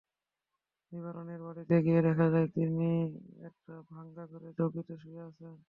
নিবারণের বাড়িতে গিয়ে দেখা যায়, তিনি একটা ভাঙা ঘরে চৌকিতে শুয়ে আছেন।